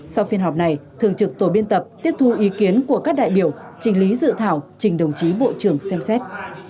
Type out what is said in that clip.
sau phiên họp này thường trực tổ biên tập tiếp thu ý kiến của các đại biểu trình lý dự thảo trình đồng chí bộ trưởng xem xét